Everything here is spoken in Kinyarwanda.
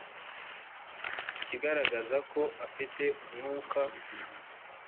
ikigaragaza ko afite umwuka